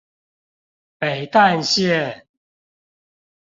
北淡線